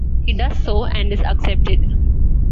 He does so and is accepted.